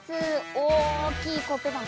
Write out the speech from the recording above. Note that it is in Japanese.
大きなコッペパン。